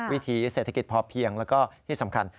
วิถีเศรษฐกิจพอเพียงแล้วก็ที่สำคัญ